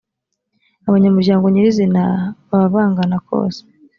abanyamuryango nyirizina baba bangana kose